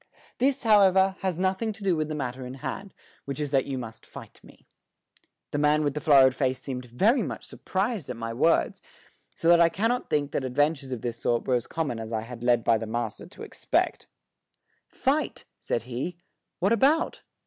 This, however, has nothing to do with the matter in hand, which is that you must fight me." The man with the florid face seemed very much surprised at my words, so that I cannot think that adventures of this sort were as common as I had been led by the master to expect. "Fight!" said he. "What about?"